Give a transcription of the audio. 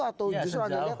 atau justru anda lihat